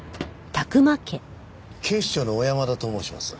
警視庁の小山田と申します。